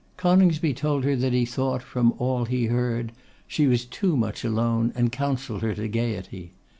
Coningsby told her that he thought, from all he heard, she was too much alone, and counselled her to gaiety.